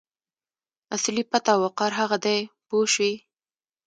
اصلي پت او وقار هغه دی پوه شوې!.